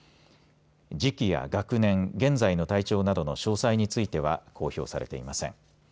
時期や学年現在の体調などの詳細については公表されていません。